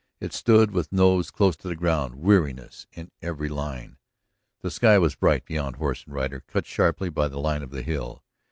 It stood with nose close to the ground, weariness in every line. The sky was bright beyond horse and rider, cut sharply by the line of the hill.